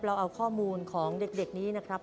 เราเอาข้อมูลของเด็กนี้นะครับ